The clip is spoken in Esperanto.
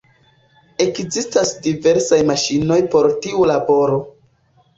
Ekzistas diversaj maŝinoj por tiu laboro.